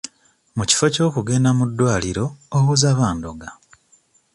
Mu kifo ky'okugenda mu ddwaliro owoza bandoga.